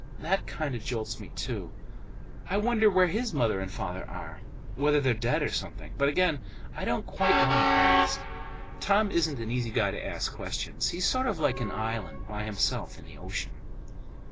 That kind of jolts me, too. I wonder where his mother and father are, whether they're dead or something; but again, I don't quite want to ask. Tom isn't an easy guy to ask questions. He's sort of like an island, by himself in the ocean.